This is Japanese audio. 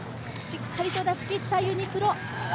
しっかりと出しきったユニクロ。